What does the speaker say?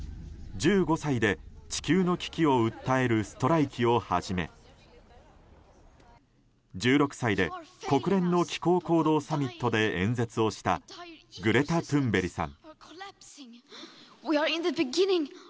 １５歳で地球の危機を訴えるストライキをはじめ１６歳で国連の気候行動サミットで演説をしたグレタ・トゥーンベリさん。